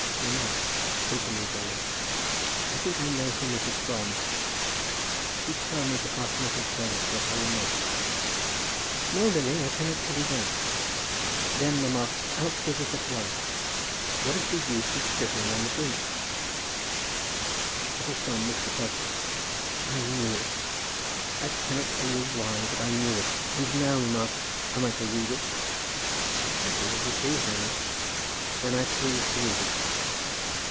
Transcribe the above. "Mamma," continued Lily, "I think I know whom it was from. If you tell me to ask nothing further, of course I will not." "No, Lily; I cannot tell you that." "Then, mamma, out with it at once. What is the use of shivering on the brink?" "It was from Mr. Crosbie." "I knew it. I cannot tell you why, but I knew it. And now, mamma; am I to read it?" "You shall do as you please, Lily." "Then I please to read it."